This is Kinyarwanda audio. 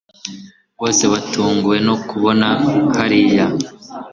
bose batunguwe no kumbona hariya